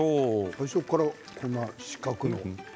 最初からこんな四角いの？